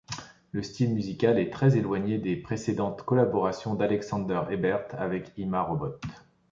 Le style musical est très éloigné des précédentes collaborations d’Alexander Ebert avec Ima Robot.